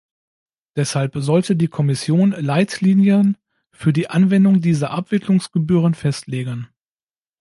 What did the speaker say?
Deshalb sollte die Kommission Leitlinien für die Anwendung dieser Abwicklungsgebühren festlegen.